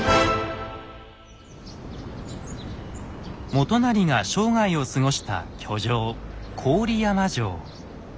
元就が生涯を過ごした居城郡山城。